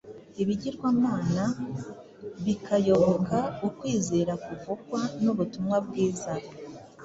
ibigirwamana bakayoboka ukwizera kuvugwa n’ubutumwa bwiza,